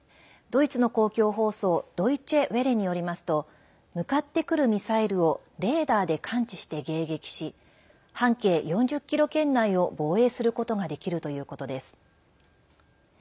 ドイチェ・ウェレによりますと向かってくるミサイルをレーダーで感知して迎撃し半径４０ｋｍ圏内を防衛することができるということです。